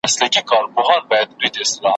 څو به لا په پټه له هینداري څخه سوال کوو `